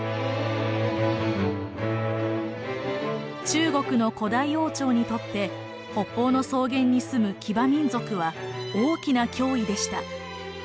中国の古代王朝にとって北方の草原に住む騎馬民族は大きな脅威でした。